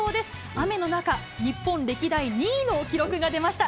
雨の中、日本歴代２位の記録が出ました。